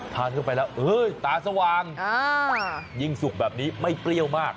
ทานเข้าไปแล้วตาสว่างยิ่งสุกแบบนี้ไม่เปรี้ยวมาก